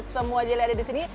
semua jeli ada di sini